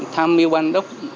tham mưu ban đốc